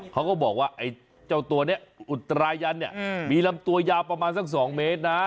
เขาก็บอกว่าไอ้เจ้าตัวนี้อุตรายันเนี่ยมีลำตัวยาวประมาณสัก๒เมตรนะ